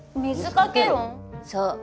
そう。